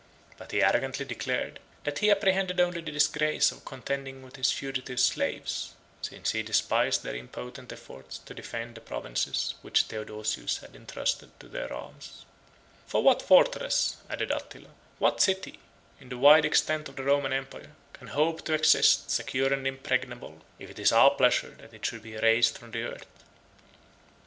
But he arrogantly declared, that he apprehended only the disgrace of contending with his fugitive slaves; since he despised their impotent efforts to defend the provinces which Theodosius had intrusted to their arms: "For what fortress," (added Attila,) "what city, in the wide extent of the Roman empire, can hope to exist, secure and impregnable, if it is our pleasure that it should be erased from the earth?"